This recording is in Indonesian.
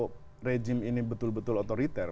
kalau rejim ini betul betul otoriter